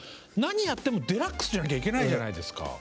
何やってもデラックスじゃなきゃいけないじゃないですか。